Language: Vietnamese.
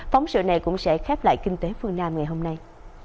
phóng sự này cũng sẽ khép lại kinh tế phương nam ngày hôm nay